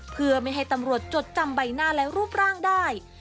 เพื่อไม่ให้ตำรวจจดจำใบหน้าและรูปร่างได้